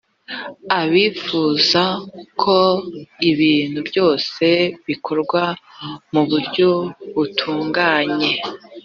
abifuza ko ibintu byose bikorwa mu buryo butunganye